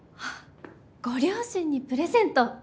ご両親にプレゼント！